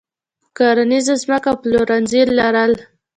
کرنیزه ځمکه او پلورنځي لرل.